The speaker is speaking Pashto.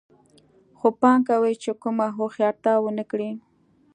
خو پام کوئ چې کومه هوښیارتیا ونه کړئ